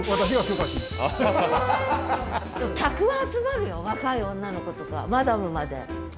客は集まるよ若い女の子とかマダムまで。